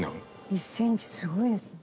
１センチすごいですね。